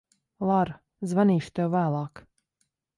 Lara, zvanīšu tev vēlāk.